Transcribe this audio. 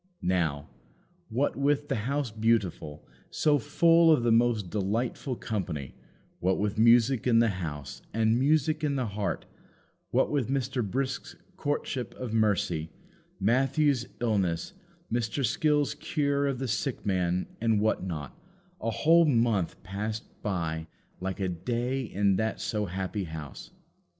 Now, what with the House Beautiful, so full of the most delightful company; what with music in the house and music in the heart; what with Mr. Brisk's courtship of Mercy, Matthew's illness, Mr. Skill's cure of the sick man, and what not a whole month passed by like a day in that so happy house.